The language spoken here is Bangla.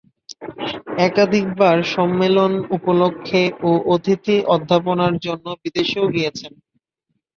একাধিকবার সম্মেলন উপলক্ষে ও অতিথি-অধ্যাপনার জন্য বিদেশেও গিয়েছেন।